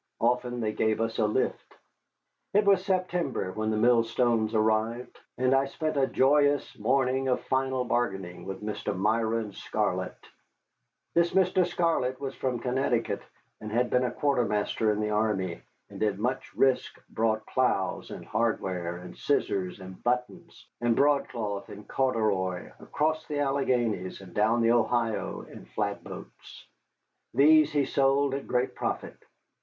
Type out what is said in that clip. Often they gave us a lift. It was September when the millstones arrived, and I spent a joyous morning of final bargaining with Mr. Myron Scarlett. This Mr. Scarlett was from Connecticut, had been a quartermaster in the army, and at much risk brought ploughs and hardware, and scissors and buttons, and broadcloth and corduroy, across the Alleghanies, and down the Ohio in flatboats. These he sold at great profit.